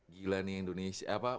gila nih indonesia